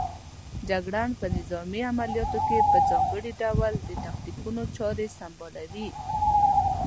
جګړن په نظامي عملیاتو کې په ځانګړي ډول د تاکتیکونو چارې سنبالوي.